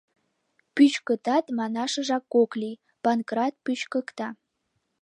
Пӱчкытат манашыжак ок лий, Панкрат пӱчкыкта...